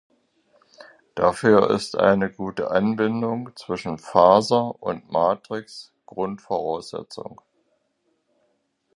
Dafür ist eine gute Anbindung zwischen Faser und Matrix Grundvoraussetzung.